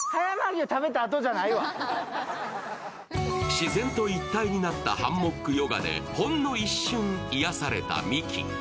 自然と一体となったハンモックヨガでほんの一瞬癒やされたミキ。